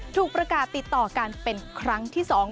ถูกประกาศติดต่อกันเป็นครั้งที่๒